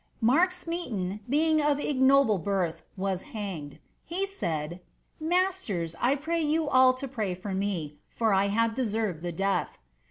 Mark Smeaton, being of ignoble birth, was hanged. lie said, *' Mas ters, I pray you all to pray for me, for I have deser\'ed the death.